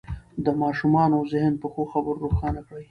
د ماشومانو ذهن په ښو خبرو روښانه کړئ.